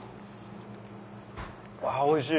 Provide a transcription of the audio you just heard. わおいしい。